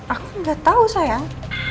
aku gak tau sayang